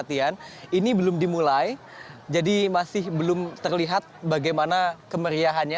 ini belum dimulai jadi masih belum terlihat bagaimana kemeriahannya